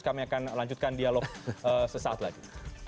kami akan lanjutkan dialog sesaat lagi